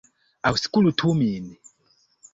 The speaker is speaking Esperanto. Aŭskultu min!